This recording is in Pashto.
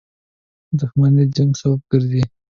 • دښمني د جنګ سبب ګرځي.